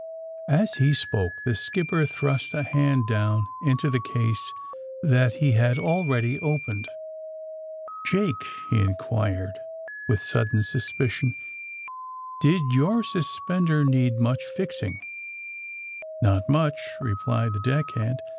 As he spoke the skipper thrust a hand down into the case that he had already opened. *'Jake," he inquired, with sudden suspicion, ^* did your suspender need much fixing 1 '' Not much, '' replied the deck hand.